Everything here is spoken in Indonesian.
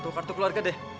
atau kartu keluarga deh